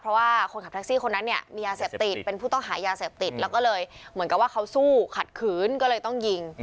เพราะว่าคนขับแท็กซี่คนนั้นเนี่ยมียาเสพติดเป็นผู้ต้องหายาเสพติดแล้วก็เลยเหมือนกับว่าเขาสู้ขัดขืนก็เลยต้องยิง